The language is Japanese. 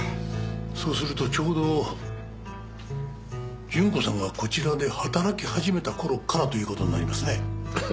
そうするとちょうど順子さんがこちらで働き始めた頃からという事になりますね。